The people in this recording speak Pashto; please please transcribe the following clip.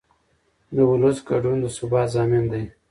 د ولس ګډون د ثبات ضامن دی